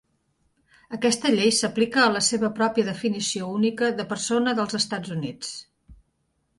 Aquesta llei s'aplica a la seva pròpia definició única de persona dels Estats Units.